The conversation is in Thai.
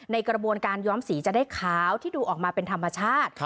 ในกระบวนการย้อมสีจะได้ขาวที่ดูออกมาเป็นธรรมชาติ